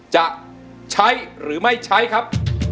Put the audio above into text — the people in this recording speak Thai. จะใช้หรือไม่ใช้ครับ